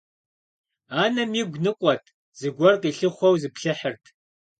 Анэм игу ныкъуэт, зыгуэр къилъыхъуэу зиплъыхьырт.